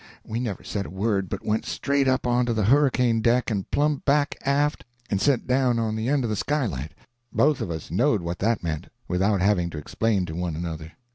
We never said a word, but went straight up onto the hurricane deck and plumb back aft, and set down on the end of the sky light. Both of us knowed what that meant, without having to explain to one another.